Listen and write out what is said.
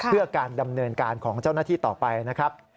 เพื่อการดำเนินการของเจ้าหน้าที่ต่อไปนะครับ